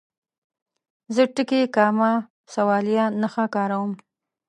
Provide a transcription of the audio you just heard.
زه ټکي، کامه، سوالیه نښه کاروم.